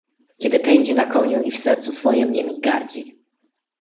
"kiedy pędzi na koniu i w sercu swojem niemi gardzi!"